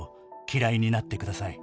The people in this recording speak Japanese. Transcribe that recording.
「嫌いになってください」